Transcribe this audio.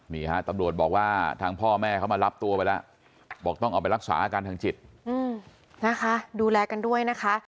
นี่ฮะตำรวจบอกว่าทางพ่อแม่เขามารับตัวไปแล้วบอกต้องเอาไปรักษาอาการทางจิตนะคะดูแลกันด้วยนะคะ